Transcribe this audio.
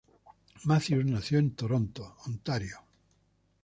Mathews nació en Toronto, Ontario.